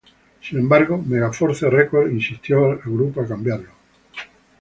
Sin embargo, Megaforce Records insistió al grupo a cambiarlo.